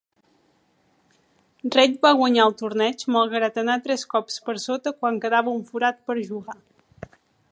Reid va guanyar el torneig malgrat anar tres cops per sota quan quedava un forat per jugar.